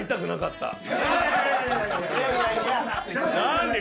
何？